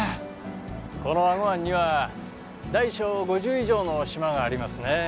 この英虞湾には大小５０以上の島がありますね。